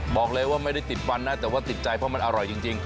บอกเลยว่าไม่ได้ติดฟันนะแต่ว่าติดใจเพราะมันอร่อยจริง